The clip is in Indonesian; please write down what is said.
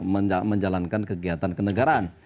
menjalankan kegiatan kenegaraan